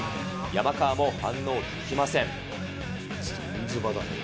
山川も反応できません。